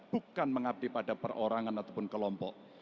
bukan mengabdi pada perorangan ataupun kelompok